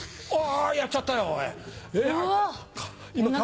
あやっちゃったよおい。